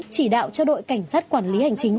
chỉ đạo cho đội cảnh sát quản lý hành chính